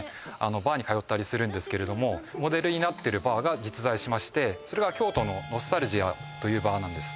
バーに通ったりするんですけれどもモデルになってるバーが実在しましてそれが京都のノスタルジアというバーなんです